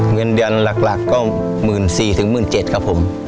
เงินเดือนหลักก็๑๔๐๐๑๗๐๐ครับผม